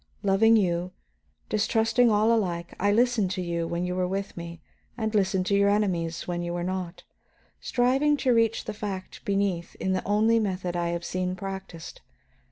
Loving you, distrusting all alike, I listened to you when you were with me and listened to your enemies when you were not, striving to reach the fact beneath in the only method I have seen practised.